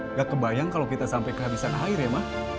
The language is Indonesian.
nggak kebayang kalau kita sampai kehabisan air ya mak